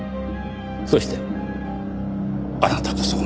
そしてあなたこそが。